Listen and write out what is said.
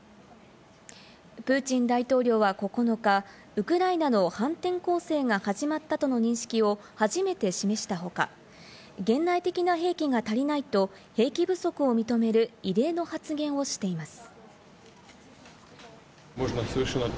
プーチン大統領は９日、ウクライナの反転攻勢が始まったとの認識を初めて示した他、現代的な兵器が足りないと兵器不足を認める異例の発言をしています。